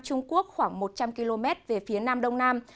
trung quốc khoảng một trăm linh km về phía nam đông nam